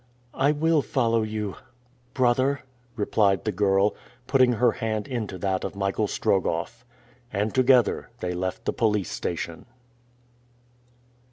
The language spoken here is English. "I will follow you, brother," replied the girl, putting her hand into that of Michael Strogoff. And together they left the police station.